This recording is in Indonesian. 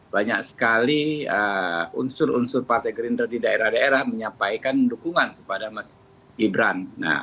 banyak sekali unsur unsur partai gerindra di daerah daerah menyampaikan dukungan kepada mas gibran